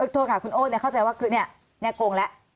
โทษค่ะคุณโอ้เข้าใจว่าคือเนี่ยโกงแล้ว